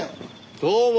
どうも。